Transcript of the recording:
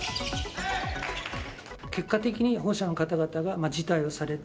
結果的に保護者の方々が辞退をされて、